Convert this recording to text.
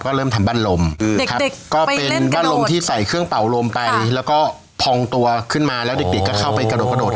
ก็เริ่มทำบ้านลมครับก็เป็นบ้านลมที่ใส่เครื่องเป่าลมไปแล้วก็พองตัวขึ้นมาแล้วเด็กเด็กก็เข้าไปกระโดดกระโดด